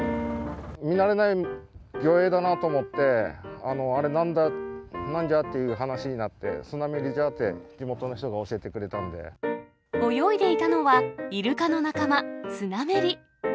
見慣れない魚類だなと思って、あれなんじゃ？っていう話になって、スナメリじゃって、地元の人泳いでいたのは、イルカの仲間、スナメリ。